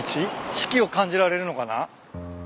四季を感じられるのかな？